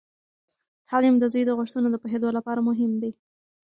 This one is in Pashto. تعلیم د زوی د غوښتنو د پوهیدو لپاره مهم دی.